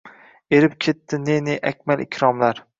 Erib ketdi ne-ne Akmal Ikromlar…